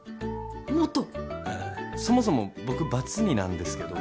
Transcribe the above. あぁそもそも僕バツ２なんですけど。